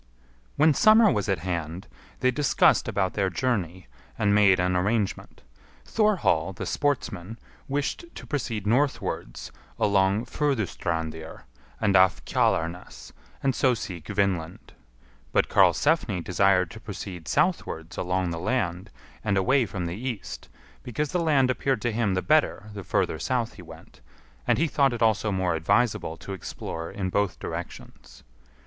When summer was at hand they discussed about their journey, and made an arrangement. Thorhall the Sportsman wished to proceed northwards along Furdustrandir, and off Kjalarnes, and so seek Vinland; but Karlsefni desired to proceed southwards along the land and away from the east, because the land appeared to him the better the further south he went, and he thought it also more advisable to explore in both directions.